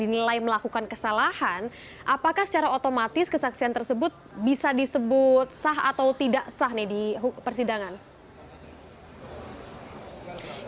dinilai melakukan kesalahan apakah secara otomatis kesaksian tersebut bisa disebut sah atau tidak sah nih di persidangan